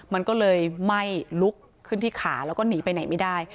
มันก็เลยไหม้ลุกขึ้นที่ขาแล้วก็หนีไปไหนไม่ได้